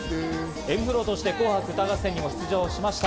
ｍ−ｆｌｏとして紅白歌合戦にも出場しました。